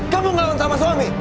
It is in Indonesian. kamu ngelakon sama suami